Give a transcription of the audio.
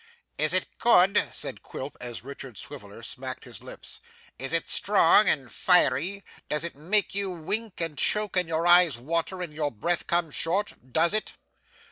'Is it good?' said Quilp, as Richard Swiveller smacked his lips, 'is it strong and fiery? Does it make you wink, and choke, and your eyes water, and your breath come short does it?